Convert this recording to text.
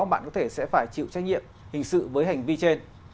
bạn có thể sẽ phải chịu trách nhiệm hình sự với hành vi trên